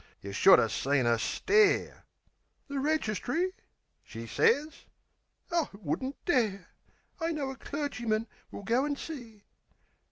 yeh should 'a' seen 'er stare; "The registry?" she sez, "I wouldn't dare! I know a clergyman we'll go an' see"...